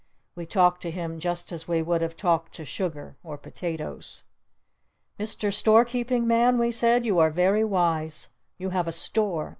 We talked to him just as we would have talked to Sugar or Potatoes. "Mr. Store Keeping Man," we said. "You are very wise! You have a store!